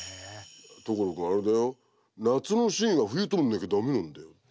「所君あれだよ夏のシーンは冬撮んなきゃ駄目なんだよ」って。